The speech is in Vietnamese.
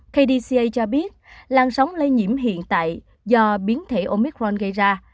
kdca cho biết lan sóng lây nhiễm hiện tại do biến thể omicron gây ra